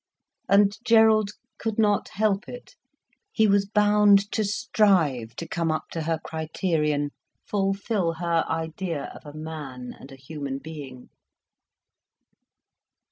And Gerald could not help it, he was bound to strive to come up to her criterion, fulfil her idea of a man and a human being.